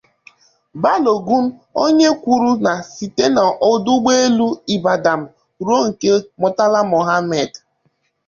Balogun onye kwuru na site na ọdụ ụgbọelu Ibadan rue nke Murtala Muhammed